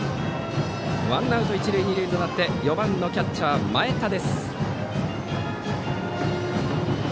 ワンアウト一塁二塁となってバッターは４番のキャッチャー、前田。